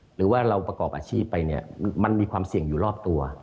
หรือว่าเราประกอบอาชีพไปเนี่ยมันมีความเสี่ยงอยู่รอบตัว